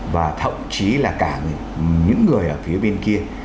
và thậm chí là cả những người ở phía bên kia